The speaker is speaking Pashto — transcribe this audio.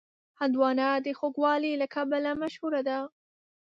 هندوانه د خوږوالي له کبله مشهوره ده.